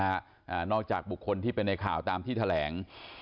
อ่านอกจากบุคคลที่เป็นในข่าวตามที่แถลง